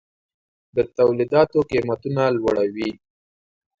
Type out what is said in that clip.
د تولیداتو قیمتونه لوړوي.